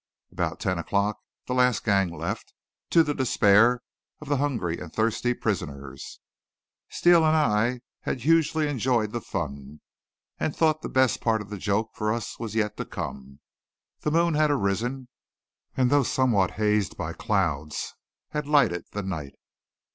About ten o'clock the last gang left, to the despair of the hungry and thirsty prisoners. Steele and I had hugely enjoyed the fun, and thought the best part of the joke for us was yet to come. The moon had arisen, and though somewhat hazed by clouds, had lightened the night.